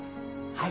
はい。